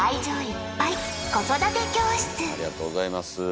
ありがとうございます。